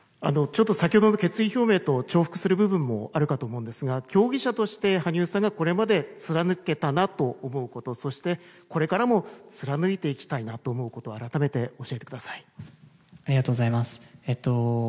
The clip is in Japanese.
ちょっと先ほどの決意表明と重複する部分もあるかと思うんですが競技者として羽生さんがこれまで貫けたなと思うことそして、これからも貫いていきたいなと思うこと改めて教えてください。